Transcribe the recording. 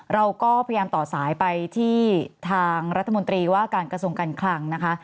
เราก็พยายามต่อสายไปที่ทางรัฐมนตรีว่าการกระทรวงการคลังนะคะ